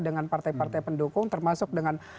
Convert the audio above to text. dengan partai partai pendukung termasuk dengan